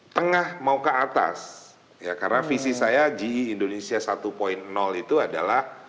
tengah mau ke atas ya karena visi saya ge indonesia satu itu adalah